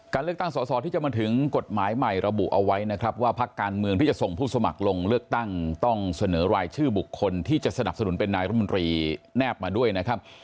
เลือกตั้งสอสอที่จะมาถึงกฎหมายใหม่ระบุเอาไว้นะครับว่าพักการเมืองที่จะส่งผู้สมัครลงเลือกตั้งต้องเสนอรายชื่อบุคคลที่จะสนับสนุนเป็นนายรมนตรีแนบมาด้วยนะครับ